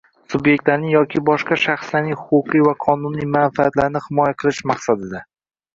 subyektning yoki boshqa shaxslarning huquqlari va qonuniy manfaatlarini himoya qilish maqsadida;